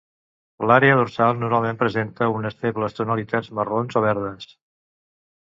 L'àrea dorsal normalment presenta unes febles tonalitats marrons o verdes.